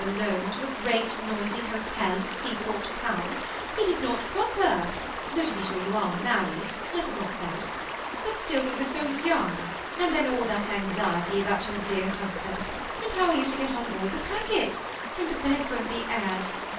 alone to a great noisy hotel at a seaport town; it is not proper, though to be sure joa are married, I for got that ; but still you are so young ; and then all that anxiety about your dear husband ; and how are yoa to get on board the packet? and the beds won't be aired.